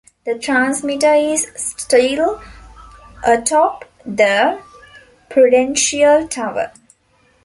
The transmitter is still atop the Prudential Tower.